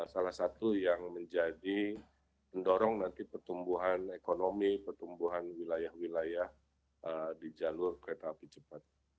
salah satu yang menjadi pendorong nanti pertumbuhan ekonomi pertumbuhan wilayah wilayah di jalur kereta api cepat